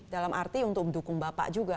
dalam arti untuk mendukung bapak juga